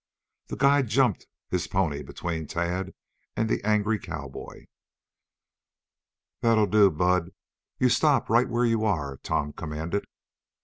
The guide jumped his pony between Tad and the angry cowboy. "That'll do, Bud! You stop right where you are!" Tom commanded.